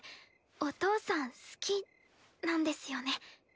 お父さん好きなんですよね？